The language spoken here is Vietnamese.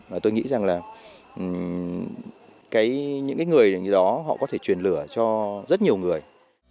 và tôi nghĩ rằng là những người đó họ có thể truyền lửa cho rất nhiều người